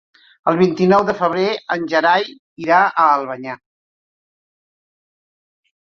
El vint-i-nou de febrer en Gerai irà a Albanyà.